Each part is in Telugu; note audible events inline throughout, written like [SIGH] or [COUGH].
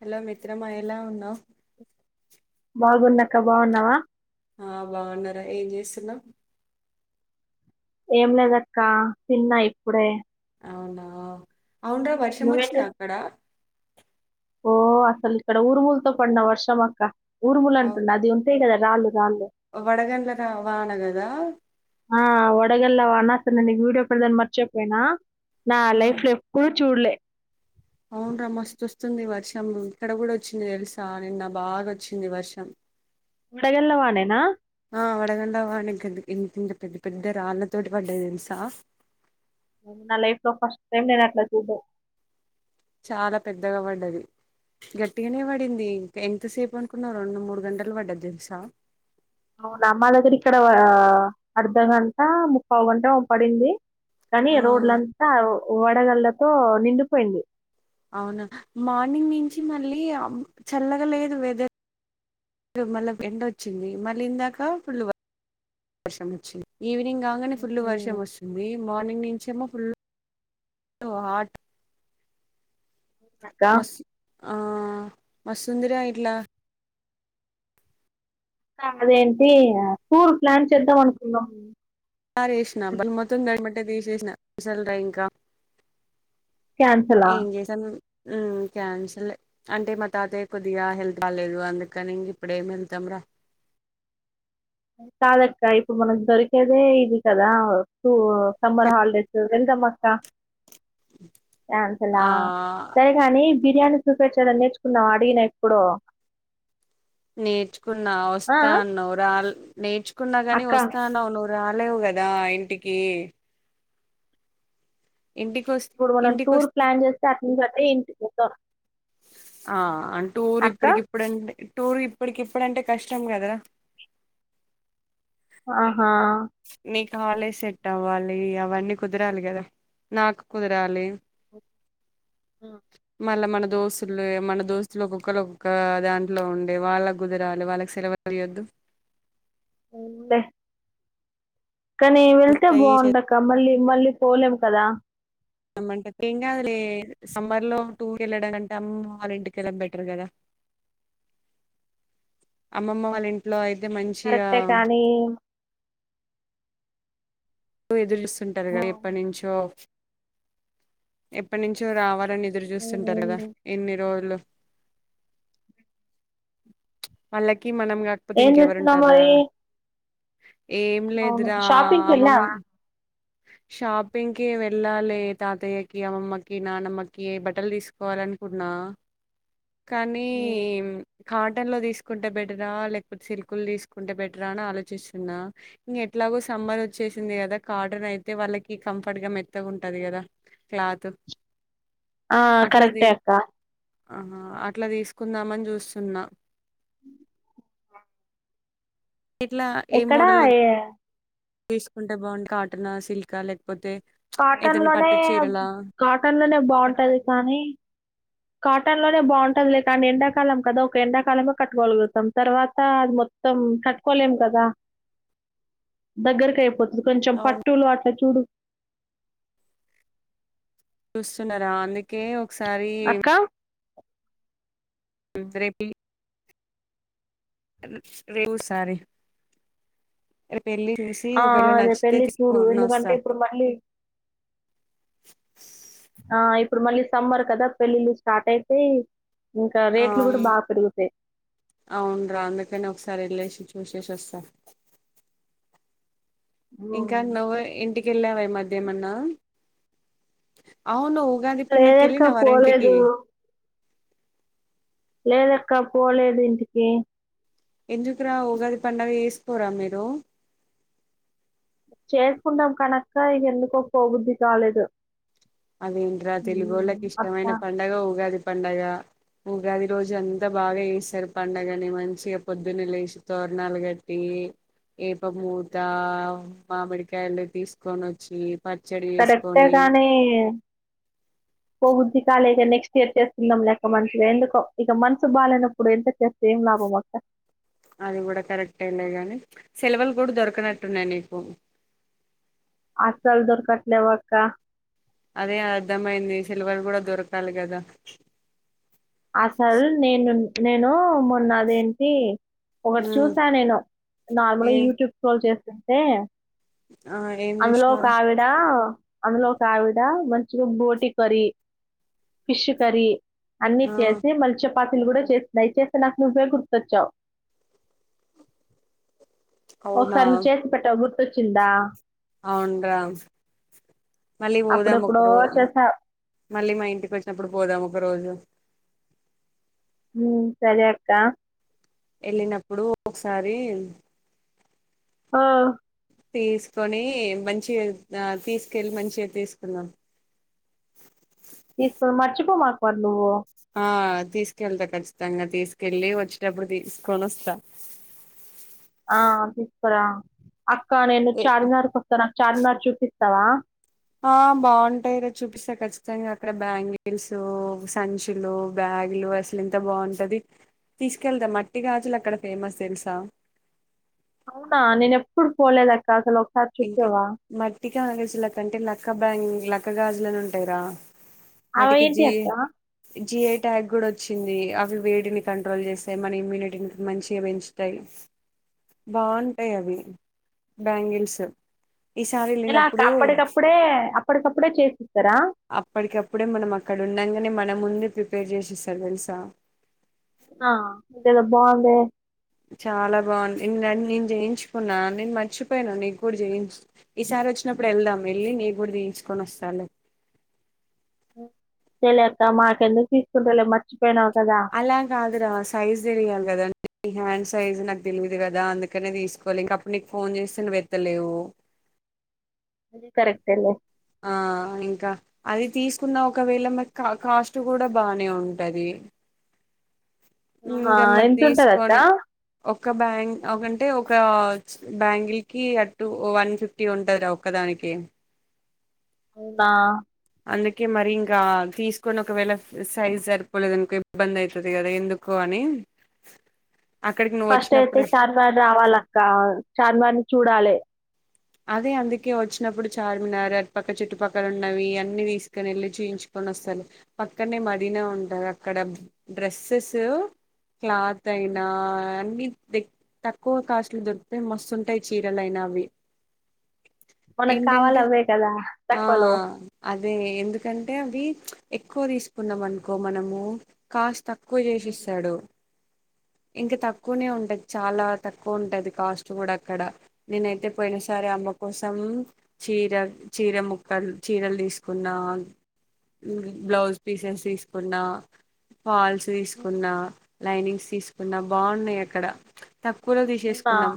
హలో మిత్రమా ఎలా ఉన్నావ్ బాగున్నాక బాగున్నావా ఆ బాగున్నరా ఏం చేస్తున్నావ్ ఏం లేదక్క తిన్నా ఇప్పుడే అవున్రా వర్షం వచ్చింద నువ్వేంటి అక్కడ ఓ అసలు ఇక్కడ ఉర్ముల్తో పడినా వర్షమక్క ఊరుములంట అది ఉంటయి కదా రాళ్ళు రాళ్ళు వందగండ్ల నా వాన కదా మొన్న అసలు నీకు వీడియో పెడదామని మర్చేపోయినా ఆ నాలైఫ్ లో ఎప్పుడు చూడలే అవునురా మస్తు వస్తుంది వర్షం ఇక్కడ కూడా వచ్చింది తెలుసా నిన్న బాగా వచ్చింది వర్షం వడగండ్ల వానేన ఆ వడగండ్ల వానె ఇంకా ఇంతింత పెద్ద పెద్ద రాళ్ళతోటి పడ్డది తెలుసా నా లైఫ్ లో ఫస్ట్ టైమ్ నేను అట్లా చూడడం చాలా పెద్దగ పడ్డది గట్టిగనే పడింది ఇంకా ఎంతసేపు అనుకున్నవ్ రెండు మూడు గంటలు పడ్డది తెలుసా అవునా మా దగ్గర ఇక్కడ అర్ధగంట ముప్పావుగంట పడింది కనీ ఆ రోడ్లంతా వడగళ్ల్లతో నిండిపోయింది అవునా మార్నింగ్ నుంచి మళ్ళీ చల్లగాలేదు వెదర్ మళ్ళ ఎండోచ్చింది మళ్ళీ ఇందాక ఫుల్లు వర్షం వచ్చింది ఈవినింగ్ కాగానే ఫుల్ వర్షం వస్తుంది మార్నింగ్ నుంచేమో ఫుల్ హాట్ అక్క మస్తు ఆ మస్తుందిరా ఇట్లా అదేంటి టూర్ ప్లాన్ చేద్దాం అనుకున్నాము ఆరేసిన [INAUDIBLE] తీశేష్ణా క్యాన్సలా [INAUDIBLE] ఏం చేసా క్యాన్సలే అంటే మా తాతయ్యకి కొద్దిగా హెల్త్ బాలేదు అందుకని ఇంక ఇప్పుడేమి వెళతం రా కాదక్క ఇప్పుడు మనకు దొరికేదే ఇది కదా టూ సమ్మర్ హాలిడేస్ వెల్దమక్క కాన్సలా ఆ సరే కానీ బిర్యానీ చూపించా నేర్చుకున్నవా అడిగినా ఎప్పుడో నేర్చుకున్నా ఆ వస్తా అన్నావ్ రాలే నేర్చు కున్నగాని అక్క వస్తాన్నవు నువ్వు వెళ్ళావు కదా ఇంటికి! ఇంటికి వస్ ఇప్పుడు మనం ఇంటికి టూర్ వస్తే ప్లాన్ చేస్తే అట్నుంచి అటే ఇంటికి క ఆ అంటూర్ ఇప్పడికిప్పుడంటే టూర్ ఇప్పటికిప్పుడంటే కష్టం కదరా! ఆ హా కాలేజ్ సెట్ అవ్వాలి అవన్నీ కుదరాలి కదా, నాకు కుదరాలి. మళ్ళ మన దోస్తులే మన దోస్తులు ఒక్కొక్కరు ఒక్కొక్కా దాంట్లో ఉండే, వాళ్ళకు కుదిరాలి వాళ్ళకి సెలవులియ్యొద్దు. అవునా కానీ వెళ్తే అయి బాగుండక మళ్ళీ మళ్ళీ పోలేం కదా! రమ్మంటే ఏం కాదులే సమ్మర్లో టూర్ వెళ్ళడాంట అమ్మమ్మ వాళ్ళ ఇంటికెళ్ళడం బెటర్ కదా. అమ్మమ్మ వాళ్ళ ఇం అది కరెక్టే కానీ ఎదురు చూస్ తుంటరు కదా ఉమ్, ఎప్పటినుంచో ఎప్పటి నుంచో రావా లని ఎదురు చూస్తుంటరు కదా అవునండి. ఇన్ని రోజులు మళ్ళ క్ కి మనం కాకపోతే ఏం ఇంకెవరు చేస్తున్నావు ఉంటర్రా. మరి ఏం అవును లేదురా షాపింగ్ అమ్మమ్ కెళ్ళావా షాపింగ్కి వెళ్ళాలి తాతయ్యకి, అమ్మమ్మకి నానమ్మకి, బట్టలు తీసుకోవాలనుకున్నా. కానీ కాటన్ లో తీసుకుంటే బెటరా, లేకపోతే సిల్క్ లో తీసుకుంటే బెటరా, అని ఆలోచిస్తున్నా! ఇంగ ఎట్లాగు సమ్మర్ వచ్చేసింది కదా కా టన్ అయితే వాళ్ళకి కంఫర్ట్ గా మెత్తగా ఉంటది కదా క్లాత్. ఆ కరెక్టే అక్క ఆ హా అట్లా తీసుకుందామని చూస్తున్నా. ఇట్లా ఏ ఎక్కడా మోడల్ లో ఏ తీసుకుంటే బాగుంది కాటన్ సిల్కా లే కాటన్లోనే కాటన్లనే బాగుంటది కానీ, కాటన్ లోనే బాగుంటది లే కానీ ఎండాకాలం కదా ఒక ఎండాకాలమే కట్టుకోలుగుతాం తర్వాత అది మొత్తం కట్టుకోలేం కదా. దగ్గరకి అయిపోతు అది కొంచెం అవును పట్టులో అట్ల చూడు. చూస్తున్న అందుకే ఒకసారి అక్క రేపే లేవు ఒకసారి ఆ అదే పెళ్ళి చూడు ఎందుకంటే వస్తా ఇప్పుడు మళ్ళీ ఆ ఇప్పుడు మళ్ళీ సమ్మర్ కదా పెళ్ళిళ్ళు స్టార్ట్ అయితే ఇంకా ఆ రేట్లు కూడా బాగా పెరుగుతాయి అవునరా అందుకని ఒకసారి రిలేషన్షిప్ విశేషస్త ఇంకా ఉమ్. నువ్ ఇంటి కెళ్ళావామధ్య ఏమన్నా అవును ఉగాది పండగకి వెళ్ళిన లేదక్క వారి ఇంటికి పోలేదు లేదక్క పోలేదు ఇంటికి ఎందుకు రావు గాడి పండగ చేస్ పోరా మీరు చేసుకుంటాం కానీ అక్క ఎందుకు పో బుద్ధి కాలేదు అదేంటరా తెలుగు ఉమ్, వాళ్ళకి ఇష్టమైన అట్లా పండుగ ఊగాది పండగ ఉగాది రోజు అంతా బాగా వేసారు పండగని మంచిగా పొద్దున్నల వేసి తోరణాలు కట్టి ఏప మూత మామిడికాయలు తీసుకొని వచ్చి పచ్చడి కరెక్టే చేసుకొని గానీ ఉుద్ధికాల ఇక నెక్స్ట్ ఇయర్ చేస్తుందాం లేక మంచిగా ఎందుకో ఇక మనసు బాగానప్పుడు ఎంతకు చేస్తే ఏం లాభం అక్క అది కూడా కరెక్ట్ అలే గానీ సెలవులు ఇప్పుడు దొరక నట్టున్నాయి నీకు ఆకాల దరకట్లేవాక్క అదే అర్థమయింది సేలవలు కూడా దొరకాలి కదా ఆ సార్ నేను నేను మొన్నదేంటి ఒకటి ఉమ్ చూసా నేను నార్మల్గా ఏం యూట్యూబ్ స్ట్రోల్ చేస్తా ంటే ఆ ఏం అందులో ఒక చేసినారు ఆవిడ అందులో ఆవిడ మంచిగా బోటి కర్రీ ఫిష్ కర్రీ అన్ని ఆ కసే మల్చ పాత్రలు కూడా చేస్తున్నాయి చేస్తే నాకు నువ్వే గుర్తొచ్చావు అవునా ఒకసారి నువ్వు చేసి పెట్టా గుర్ వచ్చిందా అవున్రామళ్ళీ పోదాం అప్పుడెప్పుడో ఒకరోజు చేసా మళ్ళీ మా ఇంటికి వచ్చినప్పుడు పోదాం ఒకరోజు హ సరే అక్క ఎల్లినప్పుడు ఒకసారి ఆ తీసుకొని మంచిగా ఆ తీసుకెళ్ళి మంచిగా తీసుకుందాం తీసుకు మర్చిపోమాకు మరి నువ్వు ఆ తీసుకెళ్తా ఖచ్చితంగ తీసుకెల్లి వచ్చేటప్పుడు తీసుకొని వస్తా ఆ తీసుకరా అక్క నేను చార్మినార్ కి వస్తానక్క చార్మినార్ చూపిస్తవా ఆ బాగుంటాయి రా చూపిస్త ఖచ్చితంగా అక్కడ బ్యాంగిల్స్ సంచులు బ్యాగులు అసలు ఎంత బాగుంటది తీసుకెళ్తా మట్టిగాజులు అక్కడ ఫేమస్ తెలుసా అవునా నేనెప్పుడు పోలేదక్క ఇంకా మట్టిగాజులకంటే లక్క బ్యాంగిల్స్ లక్క గాజులని ఉంటయిరా అవేంటియక్క జిఎటాగ్ కూడా వచ్చింది అవి వేడిని కంట్రోల్ చేస్తాయి మన ఇమ్యూనిటీని మంచిగా పెంచుతయి బాగుంటయి అవి బ్యాంగిల్స్ స్ ఎలా అక్క అప్పటికప్పుడే అప్ అప్పటికప్పుడే చేసిస్తారా అప్పటికప్పుడే మనం అక్కడ ఉండంగనే మనం ముందు ప్రిపేర్ చేసిస్తారు తెలుసా ఆ ఇదేదో బాగుందే చాలా బాగుంది నేను చేయించుకున్నా నేను మర్చిపోయాను నీకు కూడా చేయించుతా ఈసారి వచ్చినప్పుడు వెళ్దాం వెళ్ళి నీ కూడా చెయించుకొని వస్తా లే అంతేలే అక్క మాకేందుకు తీసుకుంటావులే మర్చి అలా కాదురా సైజ్ తెలియాలి కదా నీ హ్యాండ్ సైజు నాకు తెలియదు కదా అందుకనే తీసుకోలి ఇంకప్పుడు నీకు ఫోన్ చేస్తే నువ్వు ఎత్తలేవు ఆది కరెక్టే లే ఆ ఇంకా అది తీసుకున్న ఒకవేళ మా కాస్ట్ కూడ బానే ఉంటది ఎంత ఉంటది అక్క ఒక బ్యాం అంటే ఒక బ్యాంగిల్ కి అటు వన్ ఫిఫ్టీ ఉంటంది రా ఒక్కదానికి అవునా అందుకే మరి ఇంకా తీసుకొని ఒకవేళ సైజ్ సరిపోలేదు అనుకో ఇబ్బంది అవుతుది కదా ఎందుకు అని అక్కడికి నువ్వు ఫస్ట్ అయితే వచ్చినప్పుడు చార్మినార్ రావాలక్క చార్మినార్ నుంచి చూడాలె అదే అందుకే వచ్చినప్పుడు చార్మినార్ అటుపక్క చుట్టుపక్కల ఉన్నవి అన్ని తీసుకొని వెళ్ళి చూయించుకొని వస్తలే పక్కనే మదీనా ఉంటది అక్కడ డ్రెస్సెస్ క్లాత్ అయినా అన్ని తక్కువ కాస్ట్లు దొరుకుతాయి మస్తుంటాయి చీరలైన అవి మనకు కావాలి ఏంటంటే అవే కదా ఆ తక్కువలో అదే ఎందుకంటే అవి ఎక్కువ తీసుకున్నాం అనుకో మనము కాస్ట్ తక్కువ చేసి ఇస్తడు ఇంకా తక్కువనే ఉంటది చాలా తక్కువ ఉంటది కాస్ట్ కూడా అక్కడ నేనయితే పోయినసారి సారి అమ్మ కోసం చీర చీర ముక్కలు చీరలు తీసుకున్న బ్లౌజ్ పీసెస్ తీసుకున్నా పాల్స్ తీసుకున్నా లైనింగ్స్ తీసుకున్నా బాగున్నాయి అక్కడ తక్కువలో అవునా తీసేసుకున్నాం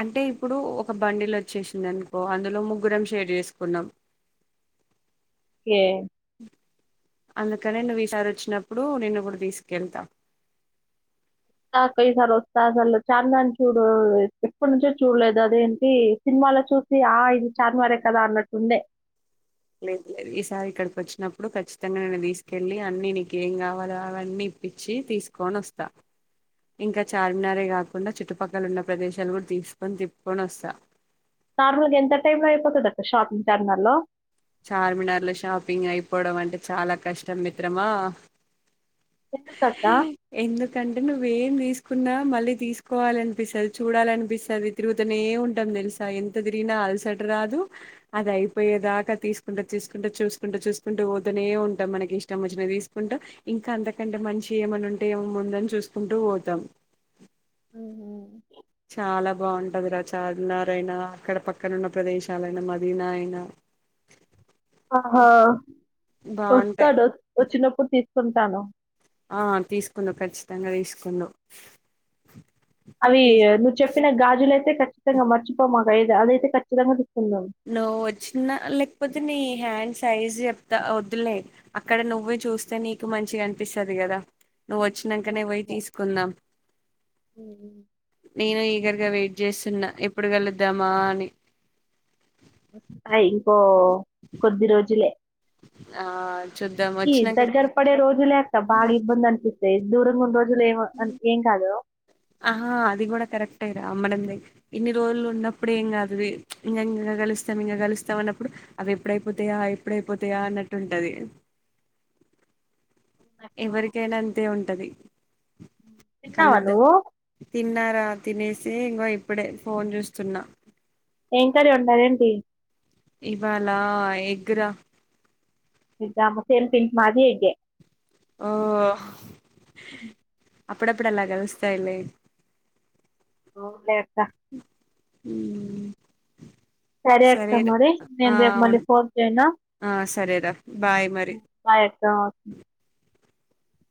అంటే ఇప్పుడు ఒక బండిలొ వచ్చేసింది అనుకో అందులో ముగ్గురం షేర్ చేసుకున్నాం ఏ అందుకనే నువ్వు ఈసారి వచ్చినప్పుడు నిను గూడ తీసుకెళ్తా ఆ అక్క ఈసారి వస్తా అసలు చార్మార్ చూడు ఎప్పటి నుంచో చూడలేదు అదేంటి సినిమాలో చూసి ఆ ఇది చార్మారే కదా అన్నట్లు ఉండే లేదు లేదు ఈసారి ఇక్కడికి వచ్చినప్పుడు ఖచ్చితంగా నేను తీసుకెళ్ళి అన్ని నీకు ఏం కావాలో అవన్నీ ఇప్పించి తీసుకొని వస్తా ఇంకా చార్మినారే కాకుండా చుట్టుపక్కల ఉన్న ప్రదేశాలు కూడా తీసుకొని తిప్పుకొని వస్తా నార్మల్ గా ఎంత టైమ్ లో అయిపోతుంది అక్క షార్పింగ్ టర్న లో చార్మినార్లు షాపింగ్ అయిపోవడం అంటే చాలా కష్టం మిత్రమా ఎందుకక్క ఎందుకు ఎందుకంటే నువ్ తీసుకున్నా మళ్ళీ తీసుకోవాల అనిపిస్తుంది చూడాల అనిపిస్తుంది తిరుగుతూనే ఉంటాం తెలుసా ఎంత తిరిగినా అలసట రాదు అది అయిపోయేదాకా తీసుకుంటా తీసుకుంటా చూసుకుంటూ చూసుకుంటే ఊతనే ఉంటాం మనకి ఇష్టం వచ్చిన తీసుకుంటా ఇంకా అంత ఎకంటే మంచి ఏమైన్నా ఉంటే ముందు చూసుకుంటూ పోతాం మ్మ్ హ్మ్ చాలా బాగుంటది రా చార్మినార్ అయినా అక్కడ పక్కన ఉన్న ప్రదేశాలయినా మదీనా అయినా ఆహా బాగుంటాయి వస్తాడు వచ్చినప్పుడు తీ తిప్పుతాను ఆ తీసుకున్న ఖచ్చితంగా తీసుకున్న అవి నువ్వు చెప్పిన గాజు గాజుల అయితే ఖచ్చితంగా మర్చపోమాక అది అదైతే ఖచ్చితంగా తీసుకుందాం నువ్వు వచ్చిన లేకపోతే నీ హ్యాండ్స్ సైజ్ చెప్తా వద్దులే అక్కడ నువ్వే చూస్తే నీకు మంచి అనిపిస్తుది కదా నేను నువ్వు వచ్చినాకనే పోయి అవును. తీసుకుందాం ఉమ్. దగ్గరగా వెయిట్ చేస్తున్నా ఎప్పుడు కలుద్దామా అని అయిపో కొద్ది రోజులే ఆ చూద్దాం ఈ వచ్చినాక దగ్గర పడ రోజులే అక్క బాగా ఇబ్బంది అనిపించ్చేది దూరంగా ఉన్న రోజ్ అసలు ఏమో ఏం కాదు మనం ఇన్ని రోజులు ఉన్నప్పుడు ఏం కాదు ఇంగా ఇంగా కలుస్తాం ఇంగా కలుస్తాం అన్నప్పుడు అవి ఎప్పుడైపోతాయా ఎప్పుడయిపోతాయా అన్నట్టుంటది అవునక్క ఎవరికైనా అంతే ఉంటది ఉమ్. కలు తిన్నావా నువ్వు ఆ తినేసి ఇంగో ఇప్పుడే ఫోన్ చూస్తున్నా ఏం కర్రీ ఇవాళ ఎగ్ రా ఇద్దరము సేమ్ పించ్ మాది ఎగ్గే ఆ అప్పుడప్పుడు అలా కలుస్తాయిలే అవునే అక్క సరే అక్క మరి ఆ నేను రేపు మళ్ళీ అవును ఫోన్ చేయనా ఆ సరేరా బాయ్ మరి బాయ్ అక్క